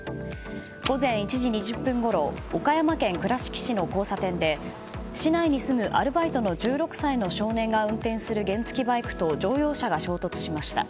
午前１時２０分ごろ岡山県倉敷市の交差点で市内に住む１６歳のアルバイトの少年が運転する原付きバイクと乗用車が衝突しました。